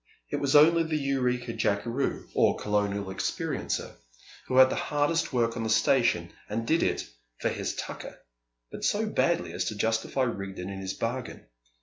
It was only the Eureka jackeroo (or "Colonial experiencer"), who had the hardest work on the station, and did it "for his tucker," but so badly as to justify Rigden in his bargain.